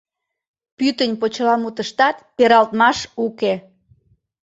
Пӱтынь почеламутыштат пералтмаш уке.